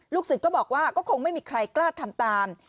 ศิลปก็บอกว่าก็คงไม่มีใครกล้าทำตาม